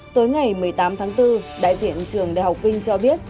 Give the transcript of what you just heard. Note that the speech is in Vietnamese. tối ngày một mươi tám tháng bốn đại diện trường đại học vinh cho biết